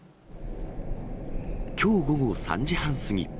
きょう午後３時半過ぎ。